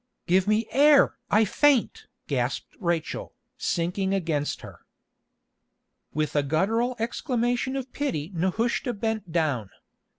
"Give me air! I faint!" gasped Rachel, sinking against her. With a guttural exclamation of pity Nehushta bent down.